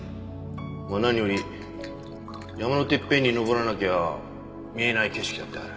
まあ何より山のてっぺんに登らなきゃ見えない景色だってある。